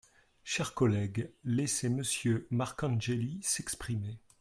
Chers collègues, laissez Monsieur Marcangeli s’exprimer.